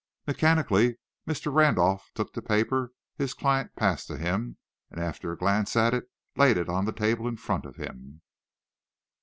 Mechanically, Mr. Randolph took the paper his client passed to him, and, after a glance at it, laid it on the table in front of him.